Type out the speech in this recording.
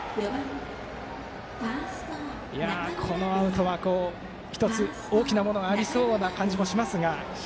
このアウトは１つ大きなものがありそうな感じがしますが。